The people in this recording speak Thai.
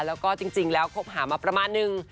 แล้วก็จริงแล้วคบหามาประมาณนึง